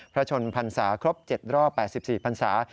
พระชนพันศาครบ๗รอบ๘๔พันศา